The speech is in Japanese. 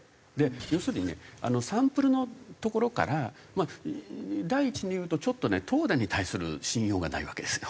要するにねサンプルのところから第一に言うとちょっとね東電に対する信用がないわけですよ。